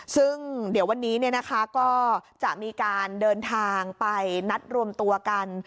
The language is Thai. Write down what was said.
ซึ่งเดี๋ยววันนี้ก็จะมีการเดินทางไปนัดรวมตัวกัน